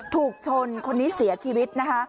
ถูกชนคนนี้เสียชีวิตนะคะ